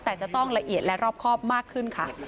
แต่จะต้องละเอียดและรอบครอบมากขึ้นค่ะ